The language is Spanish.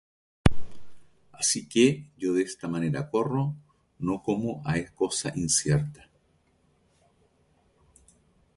Así que, yo de esta manera corro, no como á cosa incierta;